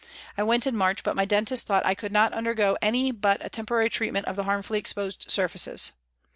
I went in March, but my dentist thought I could not undergo any but a temporary treatment of the harmfully exposed surfaces.